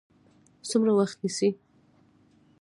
څومره وخت نیسي؟